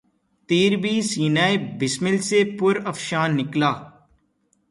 تیر بھی سینۂ بسمل سے پرافشاں نکلا